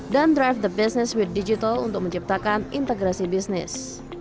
dan drive the business with digital untuk menciptakan integrasi bisnis